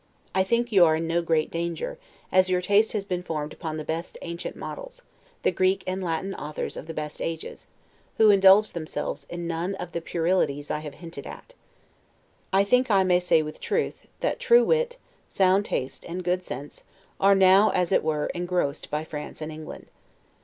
I think you are in no great danger, as your taste has been formed upon the best ancient models, the Greek and Latin authors of the best ages, who indulge themselves in none of the puerilities I have hinted at. I think I may say, with truth; that true wit, sound taste, and good sense, are now, as it were, engrossed by France and England.